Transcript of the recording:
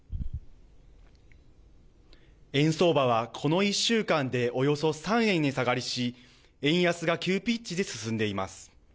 円相場はこの１週間でおよそ３円値下がりし円安が急ピッチで進んでいます。